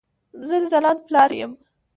زه د ځلاند پلار يم